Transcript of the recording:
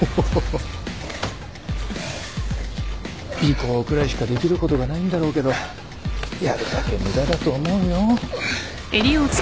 尾行くらいしかできることがないんだろうけどやるだけ無駄だと思うよ。